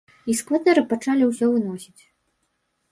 І з кватэры пачалі ўсё выносіць.